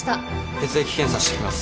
血液検査してきます。